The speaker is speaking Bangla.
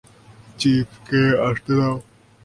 চিফকে আসতে দাও।